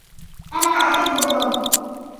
أنا أحبّكم.